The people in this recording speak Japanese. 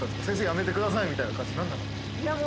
先生やめてくださいみたいな感じにならなかったんですか？